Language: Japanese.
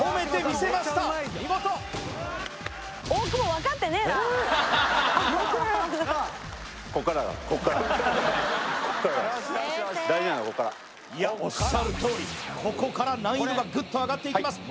見事こっからだからいやおっしゃるとおりここから難易度がグッと上がっていきます